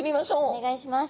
お願いします。